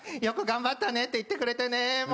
「よく頑張ったね」って言ってくれてね。